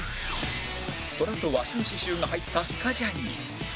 トラとワシの刺繍が入ったスカジャンに